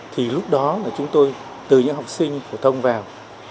thì lúc đó là chúng tôi từ những học sinh phổ thông vào